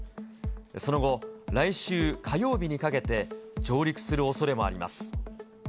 その後、来週火曜日にかけて、上陸するおそれもあります。